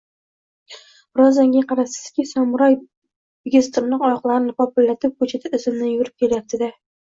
Birozdan keyin qarabsizki, “Samuray” bigiztirnoq oyoqlarini popillatib, ko‘chada izimdan yugurib ketyapti-da